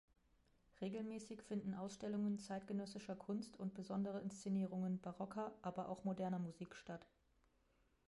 Regelmäßig finden Ausstellungen zeitgenössischer Kunst und besondere Inszenierungen barocker, aber auch moderner Musik statt.